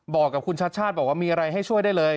บอกกับคุณชัดชาติบอกว่ามีอะไรให้ช่วยได้เลย